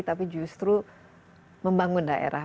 tapi justru membangun daerah